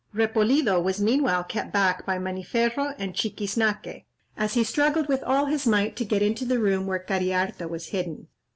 Repolido was meanwhile kept back by Maniferro and Chiquiznaque, as he struggled with all his might to get into the room where Cariharta was hidden.